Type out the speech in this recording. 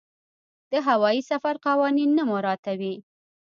د هوايي سفر قوانین نه مراعاتوي.